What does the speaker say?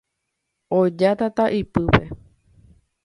Oja tata ypýpe.